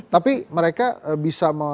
tapi mereka bisa memilih